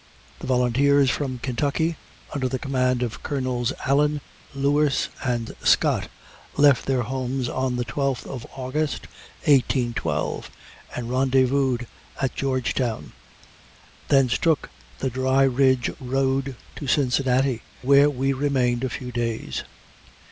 The volunteers from Kentucky, under the command of Colonels Allen, Lewis and Scott, left their homes on the 12th of August, 1812, and rendezvoused at Georgetown. Thence took the Dry Ridge road to Cincinnati, where we remained a few days.